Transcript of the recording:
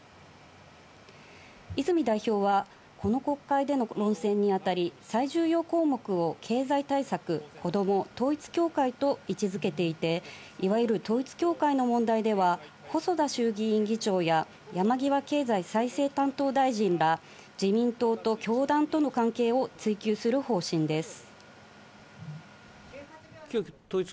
泉代表はこの国会での論戦にあたり、最重要項目を経済対策、子ども、統一教会と位置付けていて、いわゆる統一教会の問題では細田衆議院議長や、山際経済再生担当大臣ら自民党と教団との関係を追及する方針です。